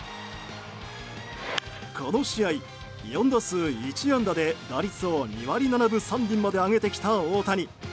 この試合、４打数１安打で打率を２割７分３厘まで上げてきた大谷。